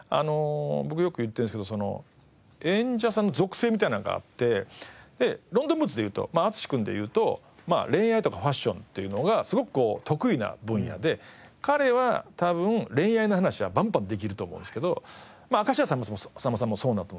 僕よく言ってるんですけど演者さんの属性みたいなのがあってロンドンブーツで言うと淳くんで言うと恋愛とかファッションっていうのがすごく得意な分野で彼は多分恋愛の話はバンバンできると思うんですけど明石家さんまさんもそうだと思うんです。